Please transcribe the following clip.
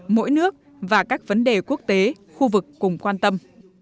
mỗi nước và các vấn đề quốc tế khu vực cùng quan tâm